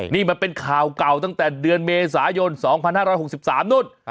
นี่มันเป็นข่าวเก่าตั้งแต่เดือนเมษายน๒๕๖๓นู่น